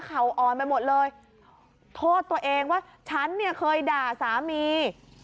เข่าออนมาหมดเลยโทษตัวเองว่าฉันเคยด่าสามี